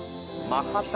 マハタ。